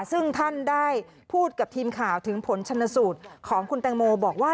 ซึ่งท่านได้พูดกับทีมข่าวถึงผลชนสูตรของคุณแตงโมบอกว่า